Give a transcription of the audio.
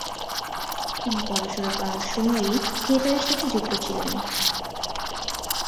তিনি পড়াশোনা করার সময়েই থিয়েটার এর সাথে যুক্ত ছিলেন।